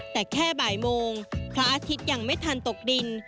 แต่แค่บ่ายโมงพระอาทิตย์ยังไม่ทันตกดิน